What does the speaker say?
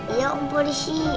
iya om polisi